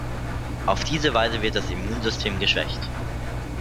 Auf diese Weise wird das Immunsystem geschwächt.